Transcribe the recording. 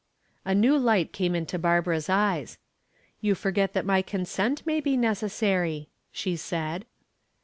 A new light came into Barbara's eyes. "You forget that my consent may be necessary," she said.